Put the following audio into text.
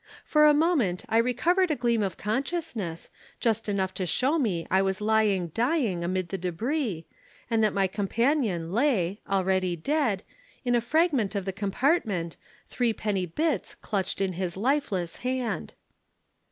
For a moment I recovered a gleam of consciousness, just enough to show me I was lying dying amid the débris, and that my companion lay, already dead, in a fragment of the compartment, Threepenny Bits clenched in his lifeless hand.